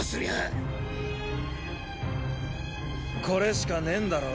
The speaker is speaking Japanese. これしかねェんだろ？